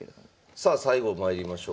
さあ最後まいりましょう。